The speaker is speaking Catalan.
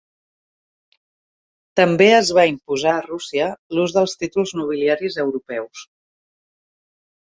També es va imposar a Rússia l'ús dels títols nobiliaris europeus.